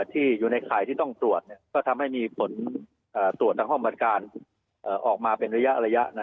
ที่อยู่ในข่ายที่ต้องตรวจก็ทำให้มีผลตรวจทางห้องบริการออกมาเป็นระยะ